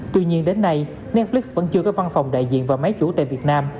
tuy nhiên đến nay netflix vẫn chưa có văn phòng đại diện và máy chủ tại việt nam